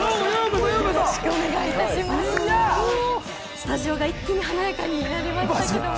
スタジオが一気に華やかになりましたけれども。